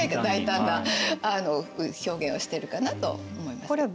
大胆な表現をしてるかなと思います。